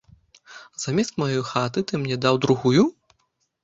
Замест маёй хаты ты мне даў другую?